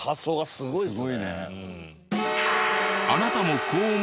すごいね。